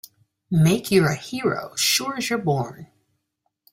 Make you're a hero sure as you're born!